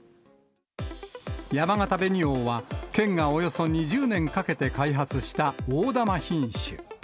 やまがた紅王は、県がおよそ２０年かけて開発した大玉品種。